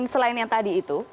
selain yang tadi itu